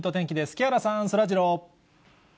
木原さん、そらジロー。